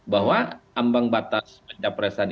bahwa ambang batas pencapresan